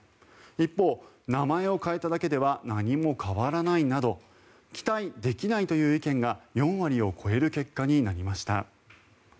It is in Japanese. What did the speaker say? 一方、名前を変えただけでは何も変わらないなど期待できないという意見が４割を超える結果になりました。